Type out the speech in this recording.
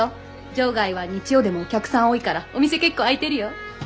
場外は日曜でもお客さん多いからお店結構開いてるよ。